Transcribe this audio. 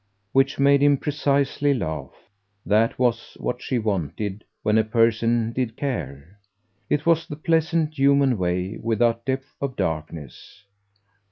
Which made him, precisely, laugh. That was what she wanted when a person did care: it was the pleasant human way, without depths of darkness.